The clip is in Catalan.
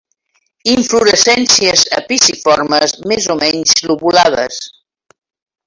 Inflorescències espiciformes més o menys lobulades.